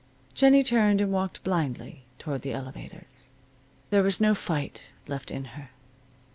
Jennie turned and walked blindly toward the elevators. There was no fight left in her.